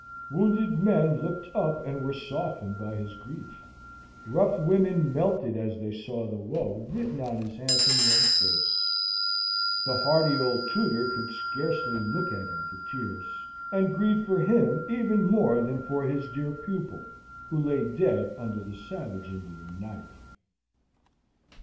Wounded men looked up and were softened by his grief: rough women melted as they saw the woe written on the handsome young face: the hardy old tutor could scarcely look at him for tears, and grieved for him even more than for his dear pupil who lay dead under the savage Indian knife.